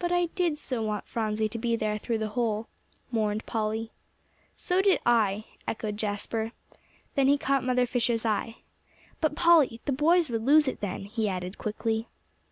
"But I did so want Phronsie to be there through the whole," mourned Polly. "So did I," echoed Jasper. Then he caught Mother Fisher's eye. "But, Polly, the boys would lose it then," he added quickly.